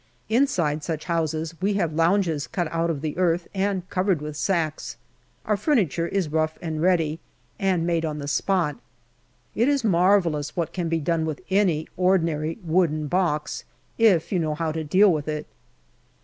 Inside such houses we have lounges cut out of the earth and covered with sacks. Our furniture is rough and ready, and made on the spot. It is marvellous what can be done with any ordinary wooden box, if you know how to deal with it.